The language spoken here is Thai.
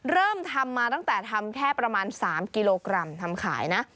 เริ่มทำมาตั้งแต่ทำแค่ประมาณ๓กิโลกรัมทำขายนะ